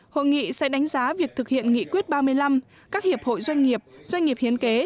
hội nghị sẽ đánh giá việc thực hiện nghị quyết ba mươi năm các hiệp hội doanh nghiệp doanh nghiệp hiến kế